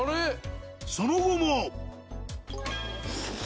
その後も。